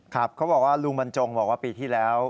ครับเขาบอกว่าลูกหมอนทองบอกว่าปีที่แล้ว